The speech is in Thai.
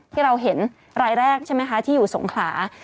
ที่เราเห็นรายแรกใช่ไหมคะที่อยู่สงขลา